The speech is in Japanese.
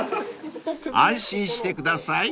［安心してください